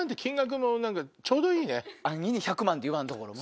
安易に１００万って言わんところも。